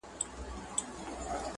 o ښه مه کوه، بد به نه در رسېږي.